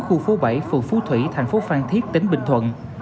khu phố bảy phường phú thủy thành phố phan thiết tỉnh bình thuận